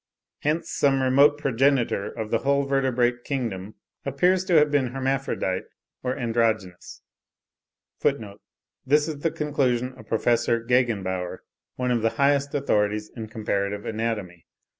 Hence some remote progenitor of the whole vertebrate kingdom appears to have been hermaphrodite or androgynous. (26. This is the conclusion of Prof. Gegenbaur, one of the highest authorities in comparative anatomy: see 'Grundzüge der vergleich.